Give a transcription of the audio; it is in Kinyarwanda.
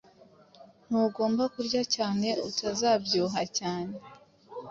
Ntugomba kurya cyane utazabyibuha cyane